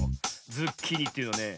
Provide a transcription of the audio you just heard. ズッキーニというのはね